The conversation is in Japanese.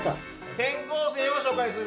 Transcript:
転校生を紹介する。